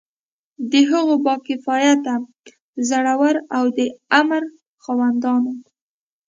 د هغو با کفایته، زړه ور او د امر خاوندانو.